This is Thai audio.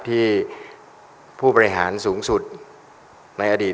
ที่ผู้บริหารสูงสุดในอดีต